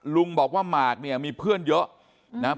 ลุงบอกว่าหมากเนี่ยมีเพื่อนเยอะนะครับ